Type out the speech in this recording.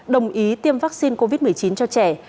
đồng ý tiêm vaccine covid một mươi chín cho trẻ